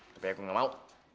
tapi aku nggak mau